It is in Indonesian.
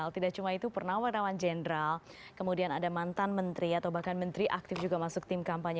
tidak cuma itu purnawan jenderal kemudian ada mantan menteri atau bahkan menteri aktif juga masuk tim kampanye